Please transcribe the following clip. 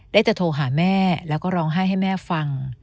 ได้จะโทรหาแม่แล้วก็ร้องไห้ให้แม่ฟัง